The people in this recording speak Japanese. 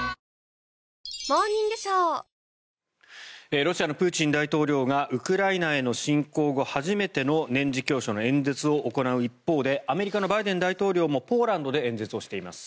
ロシアのプーチン大統領がウクライナへの侵攻後初めての年次教書の演説を行う一方でアメリカのバイデン大統領もポーランドで演説をしています。